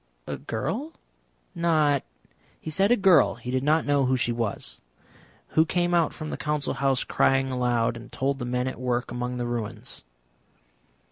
"A girl? Not ?" "He said a girl he did not know who she was. Who came out from the Council House crying aloud, and told the men at work among the ruins."